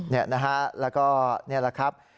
นี่นะฮะแล้วก็นี่แหละครับ